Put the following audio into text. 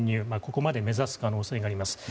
ここまで目指す可能性があります。